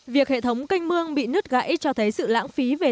và ảnh hưởng đến tổng diện tích của thôn đó